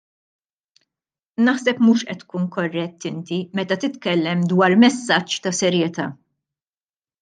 Naħseb mhux qed tkun korrett inti meta titkellem dwar messaġġ ta' serjetà.